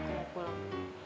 aku mau pulang